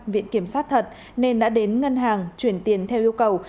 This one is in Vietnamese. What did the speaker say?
viện kiểm sát thật nên đã đến ngân hàng chuyển tiền theo yêu cầu